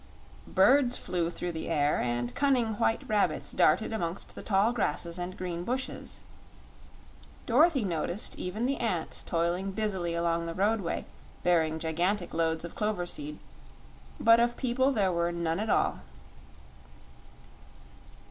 Birds flew through the air and cunning white rabbits darted amongst the tall grasses and green bushes; Dorothy noticed even the ants toiling busily along the roadway, bearing gigantic loads of clover seed; but of people there were none at all.